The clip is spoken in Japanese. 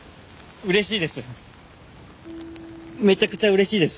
うれしいです。